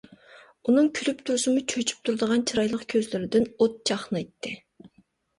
ئۇنىڭ كۈلۈپ تۇرسىمۇ، چۆچۈپ تۇرىدىغان چىرايلىق كۆزلىرىدىن ئوت چاقنايتتى.